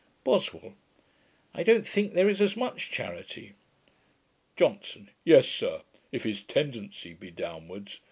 BOSWELL. 'I don't think there is as much charity.' JOHNSON. 'Yes, sir, if his TENDENCY be downwards.